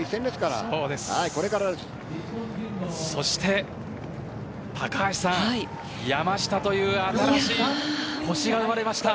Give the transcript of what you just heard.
そして山下という新しい星が生まれました。